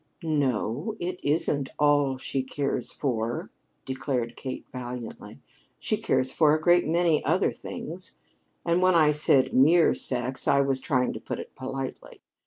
"No, it isn't all she cares for," declared Kate valiantly. "She cares for a great many other things. And when I said mere sex I was trying to put it politely.